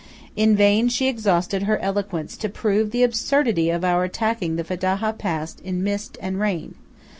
In vain she exhausted her eloquence to prove the absurdity of our attacking the Fedaja pass in mist and rain.